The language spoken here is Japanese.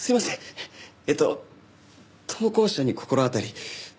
えっと投稿者に心当たり。